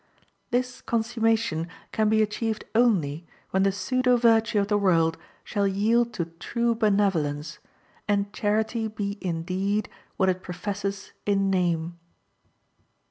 This consummation can be achieved only when the pseudo virtue of the world shall yield to true benevolence, and charity be in deed what it professes in name.